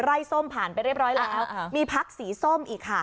ส้มผ่านไปเรียบร้อยแล้วมีพักสีส้มอีกค่ะ